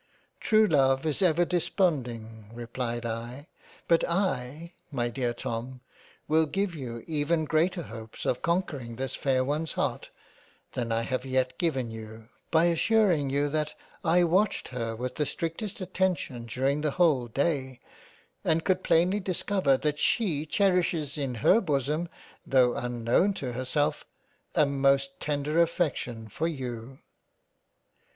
" True Love is ever desponding replied I, but I my dear Tom will give you even greater hopes of con quering this fair one's heart, than I have yet given you, by assuring you that I watched her with the strictest attention during the whole day, and could plainly discover that she cherishes in her bosom though unknown to herself, a most tender affection for you."